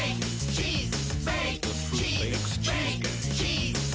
チーズ！